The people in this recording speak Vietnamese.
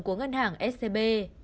của ngân hàng scb